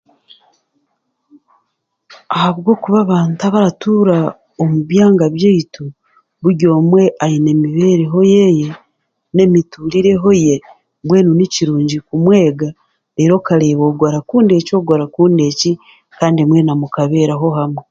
Ahabwokuba abantu abaratuura omu byanga byaitu buri omwe aine emibeerereho yeeye n'emiturireho ye mbwenu nikirungi kumwega deeru okareeba ogu arakunda eki ogu arakunda eki kandi mwena mukabeeraho hamwe